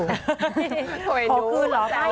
ขอคือหรอค่ะ